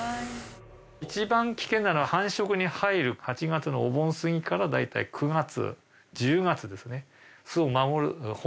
一番危険なのは繁殖に入る８月のお盆過ぎから大体９月１０月ですね。